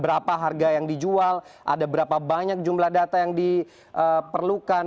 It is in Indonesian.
berapa harga yang dijual ada berapa banyak jumlah data yang diperlukan